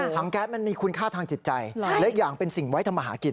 แก๊สมันมีคุณค่าทางจิตใจและอีกอย่างเป็นสิ่งไว้ทำมาหากิน